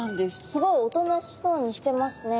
すごいおとなしそうにしてますね。